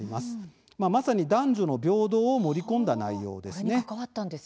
まさに男女の平等を盛り込んだ内容です。